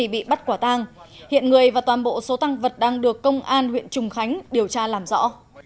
bị bắt quả tang hiện người và toàn bộ số tăng vật đang được công an huyện trùng khánh điều tra làm rõ